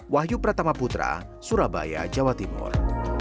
wahyu pratama putra surabaya jawa timur